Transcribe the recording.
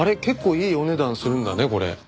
結構いいお値段するんだねこれ。